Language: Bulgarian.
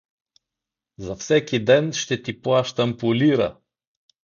— За всеки ден ще ти плащам по лира!